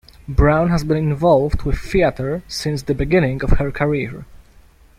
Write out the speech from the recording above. Brown has been involved with theater since the beginning of her career.